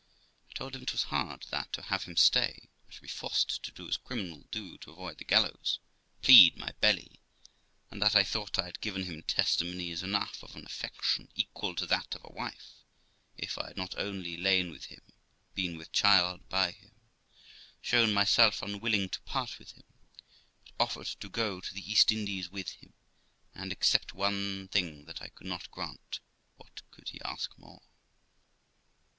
I told him 'twas hard that, to have him stay, I should be forced to do as criminals do to avoid the gallows, plead my belly; and that I thought I had given him testimonies enough of an affection equal to that of a wife, if I had not only lain with him, been with child by him, shown myself unwilling to part with him, but offered to go to the East Indies with him; and, except one thing that I could not grant, what could he ask more?